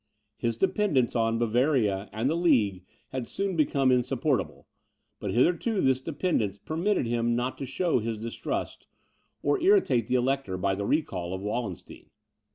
His dependence on Bavaria and the League had soon become insupportable; but hitherto this dependence permitted him not to show his distrust, or irritate the Elector by the recall of Wallenstein.